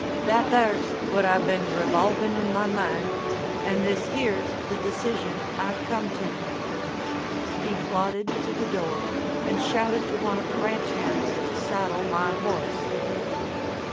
That there's what I been revolvin' in my mind and this here's the decision I've come to." He plodded to the door and shouted to one of the ranch hands to saddle my horse.